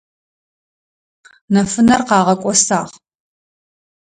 Нэфынэр къагъэкIосагъ.